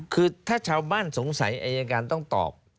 คือถ้าชาวบ้านสงสัยอายการต้องตอบ